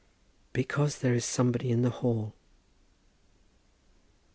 "Because there is somebody in the hall."